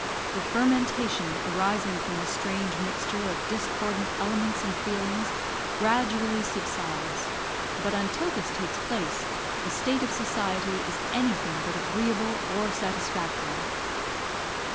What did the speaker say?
The fermentation arising from the strange mixture of discordant elements and feelings gradually subsides, but until this takes place, the state of society is anything but agreeable or satisfactory.